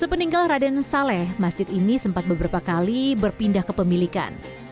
sepeninggal raden saleh masjid ini sempat beberapa kali berpindah ke pemilikan